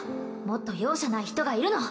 もっと容赦ない人がいるの！